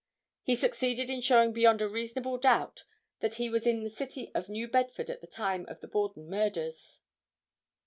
He succeeded in showing beyond a reasonable doubt that he was in the city of New Bedford at the time of the Borden murders.